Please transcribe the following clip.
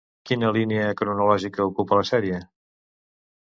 Quina línia cronològica ocupa la sèrie?